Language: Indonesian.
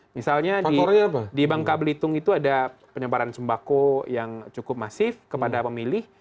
misalnya di bangka belitung itu ada penyebaran sembako yang cukup masif kepada pemilih